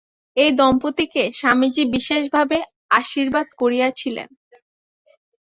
এই দম্পতিকে স্বামীজী বিশেষভাবে আশীর্বাদ করিয়াছিলেন।